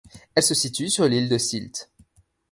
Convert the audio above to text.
Elle se situe sur l'île de Sylt.